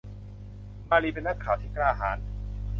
มารีเป็นนักข่าวที่กล้าหาญ